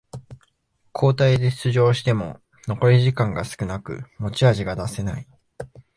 交代で出場しても残り時間が少なく持ち味が出せない